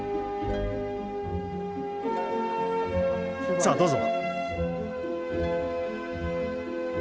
さあどうぞ。